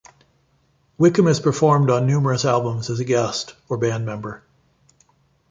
Wickham has performed on numerous albums as a guest or band member.